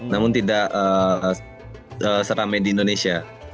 namun tidak seramai di indonesia